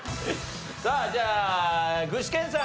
さあじゃあ具志堅さんＣ。